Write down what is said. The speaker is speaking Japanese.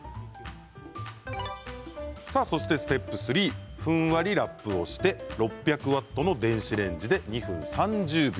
ステップ３ふんわりラップをして６００ワットの電子レンジで２分３０秒。